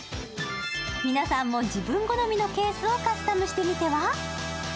皆さんも自分好みのケースをカスタムしてみては？